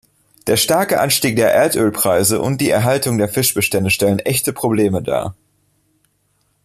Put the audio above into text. Der starke Anstieg der Erdölpreise und die Erhaltung der Fischbestände stellen echte Probleme dar.